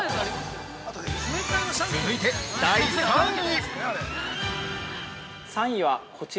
◆続いて、第３位。